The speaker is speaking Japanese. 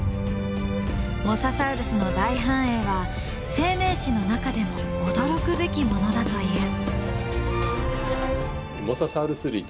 モササウルスの大繁栄は生命史の中でも驚くべきものだという。